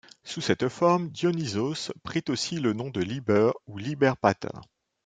Sous cette forme, Dionysos prit aussi le nom de Liber ou Liber pater.